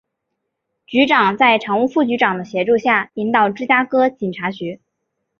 局长在常务副局长的协助下领导芝加哥警察局。